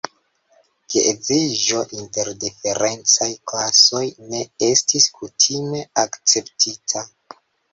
Geedziĝo inter diferencaj klasoj ne estis kutime akceptita.